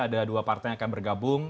ada dua partai yang akan bergabung